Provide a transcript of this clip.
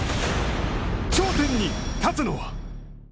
頂点に立つのは？